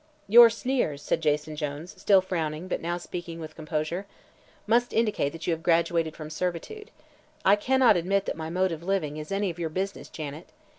"Your sneers," said Jason Jones, still frowning but now speaking with composure, "must indicate that you have graduated from servitude. I cannot admit that my mode of living is any of your business, Janet.